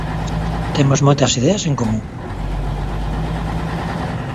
Temos moitas ideas en común.